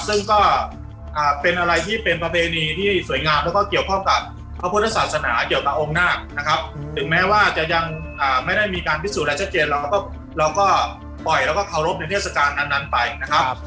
ซึ่งก็เป็นอะไรที่เป็นประเพณีที่สวยงามแล้วก็เกี่ยวข้องกับพระพุทธศาสนาเกี่ยวกับองค์นาคนะครับถึงแม้ว่าจะยังไม่ได้มีการพิสูจนอะไรชัดเจนเราก็ปล่อยแล้วก็เคารพในเทศกาลอันนั้นไปนะครับ